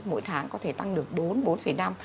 mỗi tháng có thể tăng được bốn bốn năm